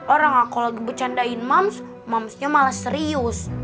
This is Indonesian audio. orang aku lagi bercandain moms momsnya malah serius